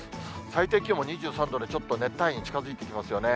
最低気温も２３度で、ちょっと熱帯夜に近づいてきますよね。